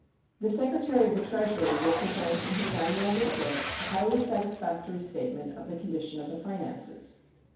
The Secretary of the Treasury will present in his annual report a highly satisfactory statement of the condition of the finances.